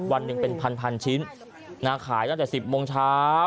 วันหนึ่งเป็นพันชิ้นขายตั้งแต่๑๐โมงเช้า